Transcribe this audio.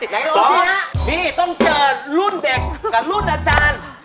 สวัสดีครับทีนี้ต้องเจอรุ่นเด็กกับรุ่นอาจารย์